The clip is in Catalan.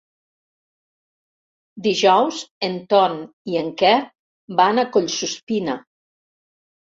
Dijous en Ton i en Quer van a Collsuspina.